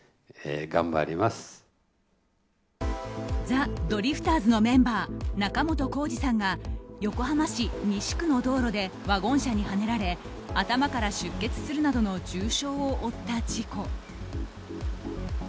ザ・ドリフターズのメンバー仲本工事さんが横浜市西区の道路でワゴン車にはねられ頭から出血するなどの重傷を負った事故。